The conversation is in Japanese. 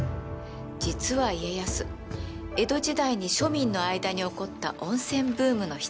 実は家康江戸時代に庶民の間に起こった温泉ブームの火付け役。